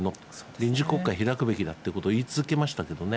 臨時国会開くべきだってことを言い続けましたけどね。